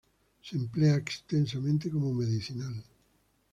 Se emplea extensamente como medicinal.